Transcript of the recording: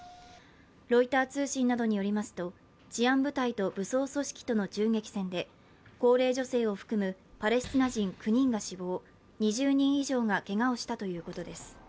ロイター通信などによりますと治安部隊と武装組織との銃撃戦で、高齢女性を含むパレスチナ人９人が死亡、２０人以上がけがをしたということです。